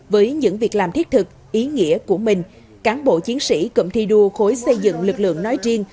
với những việc làm thiết thực ý nghĩa của mình cán bộ chiến sĩ cụm thi đua khối xây dựng lực lượng nói riêng